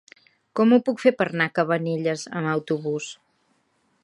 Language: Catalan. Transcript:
Com ho puc fer per anar a Cabanelles amb autobús?